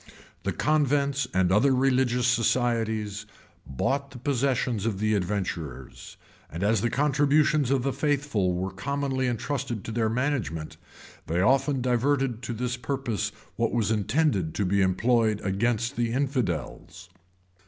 The convents and other religious societies bought the possessions of the adventurers; and as the contributions of the faithful were commonly intrusted to their management, they often diverted to this purpose what was intended to be employed against the infidels.